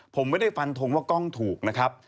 ผมไม่ได้ฟันทงว่ากล้องถูกนะครับ